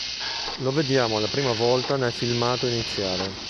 Lo vediamo la prima volta nel filmato iniziale.